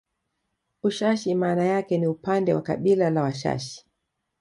Ushashi maana yake ni upande wa kabila la Washashi